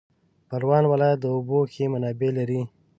پروان ولایت د اوبو ښې منابع لري